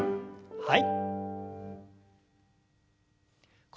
はい。